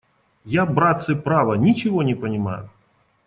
Я, братцы, право, ничего не понимаю!..